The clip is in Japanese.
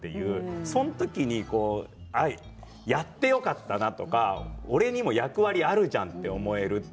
その時にやってよかったなとか俺にも役割があるじゃんと思える。